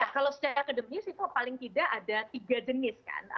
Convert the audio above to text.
kalau secara kedemis itu paling tidak ada tiga jenis kan